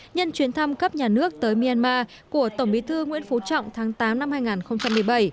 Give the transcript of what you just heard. nhân chuyến thăm cấp nhà nước tới myanmar của tổng bí thư nguyễn phú trọng tháng tám năm hai nghìn một mươi bảy